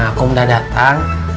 aku udah datang